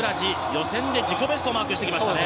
予選で自己ベストをマークしてきましたね。